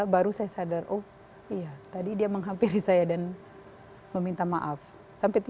baru saya sadar oh iya tadi dia menghampiri saya dan meminta maaf sampai